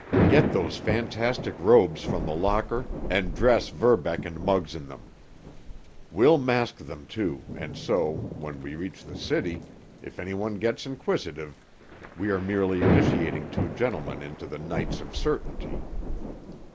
Get those fantastic robes from the locker and dress Verbeck and Muggs in them. We'll mask them, too, and so, when we reach the city, if any one gets inquisitive we are merely initiating two gentlemen into the Knights of Certainty."